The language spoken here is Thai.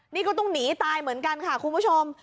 นี่ก็ต้องหนีตายเหมือนกันค่ะคุณผู้ชม